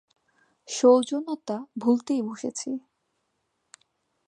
সৌজন্যতা ভুলতেই বসেছি।